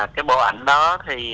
cái bộ ảnh đó thì